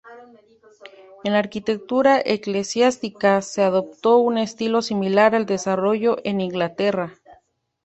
En la arquitectura eclesiástica, se adoptó un estilo similar al desarrollado en Inglaterra.